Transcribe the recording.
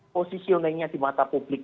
posisionenya di mata publik